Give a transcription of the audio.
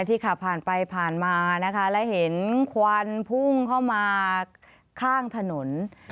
ขับผ่านไปผ่านมานะคะแล้วเห็นควันพุ่งเข้ามาข้างถนน